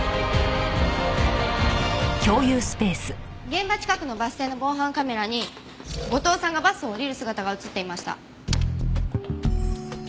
現場近くのバス停の防犯カメラに後藤さんがバスを降りる姿が映っていました。